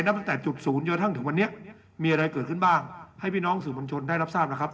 ตั้งแต่จุดศูนย์จนกระทั่งถึงวันนี้มีอะไรเกิดขึ้นบ้างให้พี่น้องสื่อมวลชนได้รับทราบนะครับ